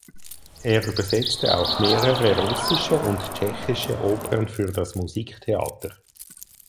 Er übersetzte auch mehrere russische und tschechische Opern für das Musiktheater.